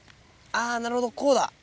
なるほどこうだ。